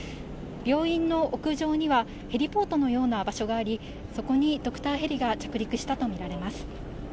病院の屋上には、ヘリポートのような場所があり、そこにドクターヘリが着陸したと見られます。